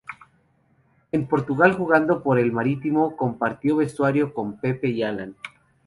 En Portugal jugando por el Marítimo compartió vestuario con Pepe y Alan.